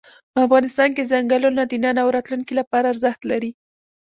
افغانستان کې ځنګلونه د نن او راتلونکي لپاره ارزښت لري.